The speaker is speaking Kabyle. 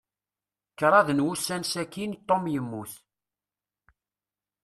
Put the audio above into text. Kṛaḍ n wussan sakin, Tom yemmut.